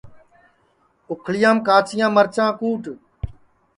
اُکھݪیام کاچیاں مِرچاں کُٹ